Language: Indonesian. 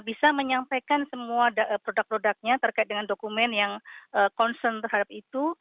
bisa menyampaikan semua produk produknya terkait dengan dokumen yang concern terhadap itu